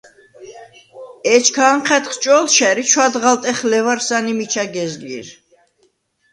ეჩქა ანჴა̈დხ ჭო̄ლშა̈რ ი ჩვადღალტეხ ლევარსან ი მიჩა გეზლი̄რ.